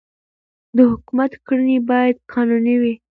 د حکومت کړنې باید قانوني وي